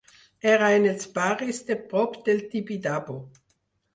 Era en els barris de prop del Tibidabo